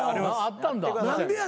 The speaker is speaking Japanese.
あったんや。